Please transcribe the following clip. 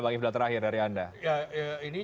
bang ifdal terakhir dari anda ini